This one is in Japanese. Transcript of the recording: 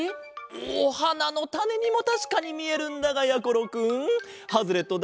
おはなのたねにもたしかにみえるんだがやころくんハズレットだ。